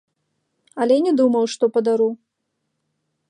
Але не думаў, што падару.